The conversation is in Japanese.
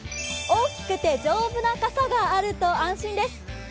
大きくて丈夫な傘があると安心です。